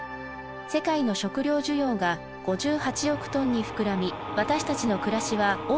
世界の食料需要が５８億トンに膨らみ私たちの暮らしは大きく変わりました。